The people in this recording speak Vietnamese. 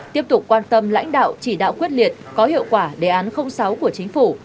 tiếp tục quan tâm lãnh đạo chỉ đạo quyết liệt có hiệu quả đề án sáu của chính phủ